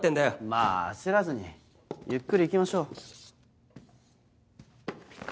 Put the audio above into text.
まぁ焦らずにゆっくり行きましょう。